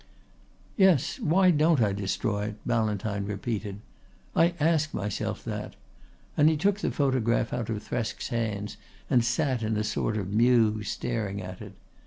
"Yes, why don't I destroy it?" Ballantyne repeated. "I ask myself that," and he took the photograph out of Thresk's hands and sat in a sort of muse, staring at it.